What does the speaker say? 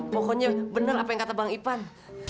pokoknya benar apa yang kata bang ipan